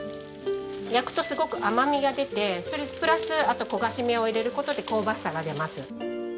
焼くとすごく甘みが出てそれプラス焦がし目を入れる事で香ばしさが出ます。